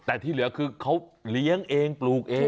แต่ที่เหลือคือเขาเลี้ยงเองปลูกเอง